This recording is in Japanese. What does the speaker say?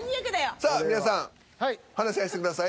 さあ皆さん話し合いしてください。